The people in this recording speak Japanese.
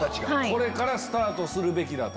これからスタートするべきだと。